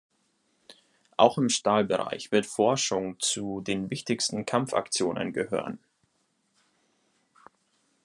Auch im Stahlbereich wird Forschung zu den wichtigsten Kampfaktionen gehören.